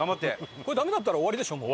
ダメだったら終わりでしょもう。